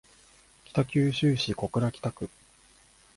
北九州市小倉北区